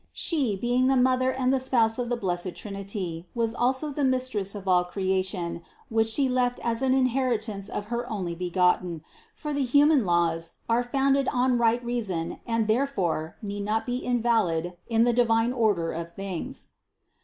She, being the Mother and the Spouse of the Blessed Trinity, was also the Mistress of all creation, which She left as an inheritance of her Onlybegotten ; for the hu man laws, are founded on right reason and therefore need not be invalid in the divine order of things.